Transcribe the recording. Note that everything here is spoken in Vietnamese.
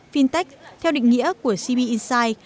fintech theo định nghĩa của cb insight